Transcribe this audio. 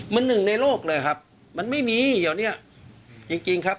มันหนึ่งในโลกเลยครับมันไม่มีเดี๋ยวเนี้ยจริงจริงครับ